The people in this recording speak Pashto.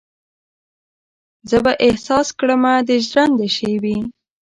زه به احساس کړمه د ژرندې شیبې